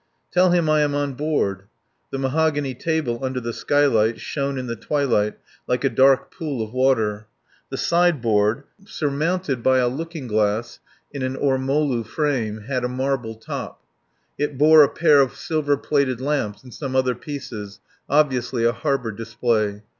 "Tell him I am on board." The mahogany table under the skylight shone in the twilight like a dark pool of water. The sideboard, surmounted by a wide looking glass in an ormulu frame, had a marble top. It bore a pair of silver plated lamps and some other pieces obviously a harbour display.